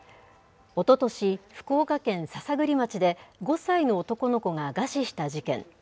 おととし、福岡県篠栗町で５歳の男の子が餓死した事件。